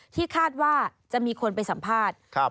ที่คาดว่าจะมีคนไปสัมภาษณ์